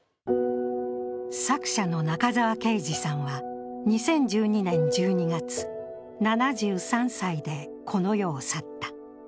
作者の中沢啓治さんは２０１２年１２月、７３歳でこの世を去った。